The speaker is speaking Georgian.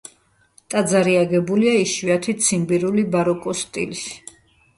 ტაძარი აგებულია იშვიათი ციმბირული ბაროკოს სტილში.